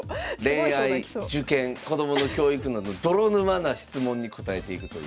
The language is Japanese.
恋愛受験子供の教育など泥沼な質問に答えていくという。